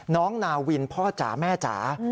นาวินพ่อจ๋าแม่จ๋า